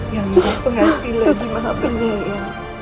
yang berpengasih lagi maafkan saya